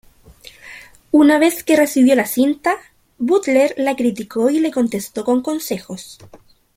Una vez que recibió la cinta, Butler la criticó y le contestó con consejos.